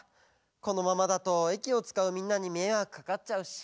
このままだと駅をつかうみんなにめいわくかかっちゃうし。